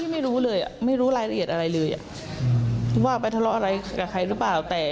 ไม่รู้เลยไม่รู้รายละเอียดอะไรเลยว่าไปทะเลาะอะไรกับใครหรือเปล่า